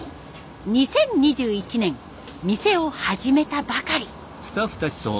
２０２１年店を始めたばかり。